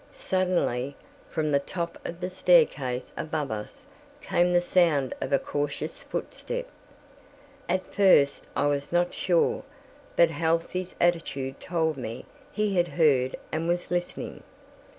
Suddenly, from the top of the staircase above us came the sound of a cautious footstep. At first I was not sure, but Halsey's attitude told me he had heard and was listening.